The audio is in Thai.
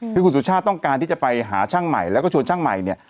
คือคุณสุชาติต้องการที่จะไปหาช่างใหม่แล้วก็ชวนช่างใหม่เนี่ย